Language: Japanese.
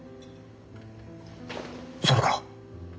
それから？